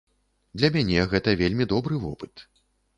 Для мяне гэта вельмі добры вопыт.